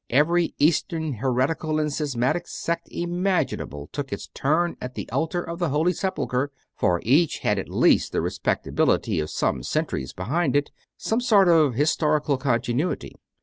Every Eastern heretical and schismatical sect imaginable took its turn at the altar of the Holy Sepulchre, for each had at least the respectability of some centuries behind it, some sort of historical continuity.